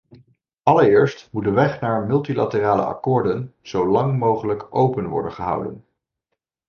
Allereerst moet de weg naar multilaterale akkoorden zolang mogelijk open worden gehouden.